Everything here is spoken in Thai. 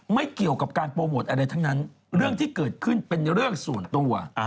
ไม่เกี่ยวกับการโปรโมทอะไรทั้งนั้นเรื่องที่เกิดขึ้นเป็นเรื่องส่วนตัว